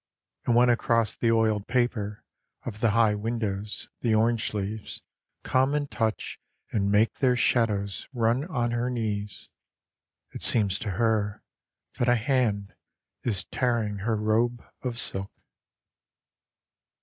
And when across the oiled paper Of the high windows the orange leaves Come and touch and make their shadows run on her knees It seems to her that a hand is tearing her robe of silk.